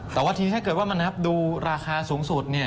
แต่ว่าถึงถ้าเกิดว่ามันดูราคาสูงสุด